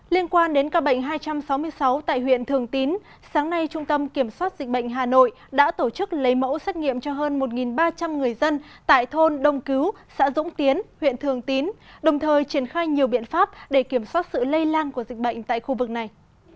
liên quan đến ca bệnh hai trăm sáu mươi sáu tại huyện thường tín sáng nay trung tâm kiểm soát dịch bệnh hà nội đã tổ chức lấy mẫu xét nghiệm cho hơn một ba trăm linh người dân tại thôn đông cứu xã dũng tiến huyện thường tín đồng thời triển khai nhiều biện pháp để kiểm soát sự lây lan của dịch bệnh tại khu vực này